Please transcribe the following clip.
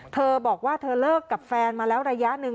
เธอบอกว่าเธอเลิกกับแฟนมาแล้วระยะหนึ่ง